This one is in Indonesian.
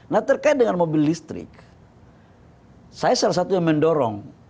nah terkait dengan mobil listrik saya salah satu yang mendorong